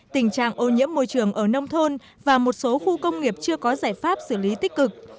tình trạng ô nhiễm môi trường ở nông thôn và một số khu công nghiệp chưa có giải pháp xử lý tích cực